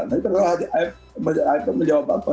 nah itu adalah kff menjawab apa